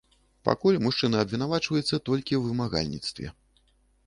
Пакуль мужчына абвінавачваецца толькі ў вымагальніцтве.